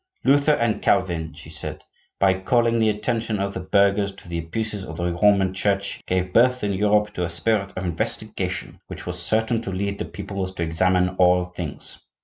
'Luther and Calvin,' she said, 'by calling the attention of the burghers to the abuses of the Roman Church, gave birth in Europe to a spirit of investigation which was certain to lead the peoples to examine all things.